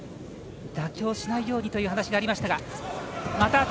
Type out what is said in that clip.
妥協しないようにという話がありましたが。